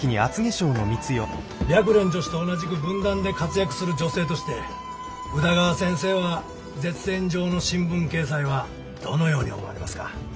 白蓮女史と同じく文壇で活躍する女性として宇田川先生は絶縁状の新聞掲載はどのように思われますか？